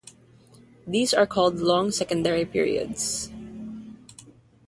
These are called long secondary periods.